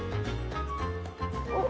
おっ！